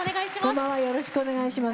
よろしくお願いします。